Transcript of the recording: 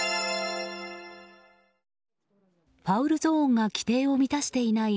ファウルゾーンが規定を満たしていない